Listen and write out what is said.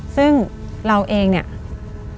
ซึ่งเราเองเนี่ย